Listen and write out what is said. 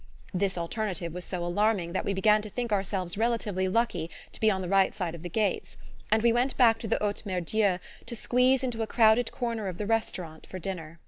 This alternative was so alarming that we began to think ourselves relatively lucky to be on the right side of the gates; and we went back to the Haute Mere Dieu to squeeze into a crowded corner of the restaurant for dinner.